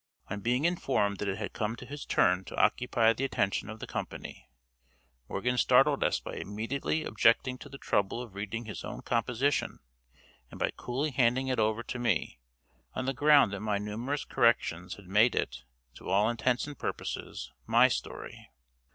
On being informed that it had come to his turn to occupy the attention of the company, Morgan startled us by immediately objecting to the trouble of reading his own composition, and by coolly handing it over to me, on the ground that my numerous corrections had made it, to all intents and purposes, my story.